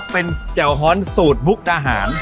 เป็นแจ่วฮอนสูตรมุกดาหาร